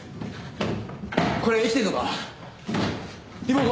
これ生きてるのか？